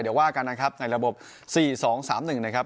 เดี๋ยวว่ากันนะครับในระบบสี่สองสามหนึ่งนะครับ